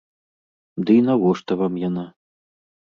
Дый навошта вам яна?